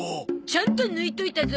ちゃんと抜いといたゾ。